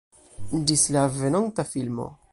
Ĝis la venonta filmo